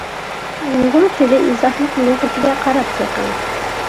ئۇيغۇر تىلى ئىزاھلىق لۇغىتىگە قاراپ بېقىڭ.